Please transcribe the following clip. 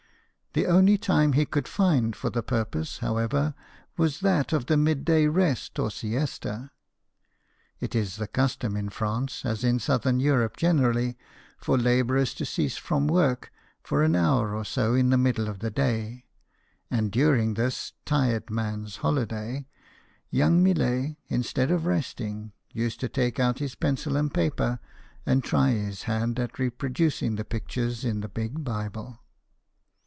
The only time he could find for the purpose, however, was that of the mid day rest or siesta. It is the custom in France, as in Southern Europe generally, for labourers to cease from work for an hour or so in the middle of the day ; and during this " tired man's holiday," young M'llet, instead of resting, used, to take out his pencil and paper, and try his hand at reproducing the pictures in the big Bible.